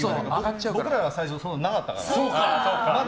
僕らの最初はそういうのなかったから。